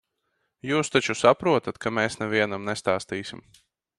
Jūs taču saprotat, ka mēs nevienam nestāstīsim.